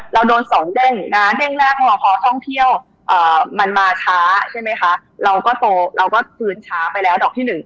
เราโดนสองเด้งนะเด้งแรกพอท่องเที่ยวมันมาช้าใช่ไหมคะเราก็โตเราก็คืนช้าไปแล้วดอกที่๑